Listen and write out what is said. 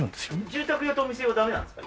住宅用とお店用はダメなんですか？